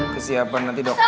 kesiapan nanti dokter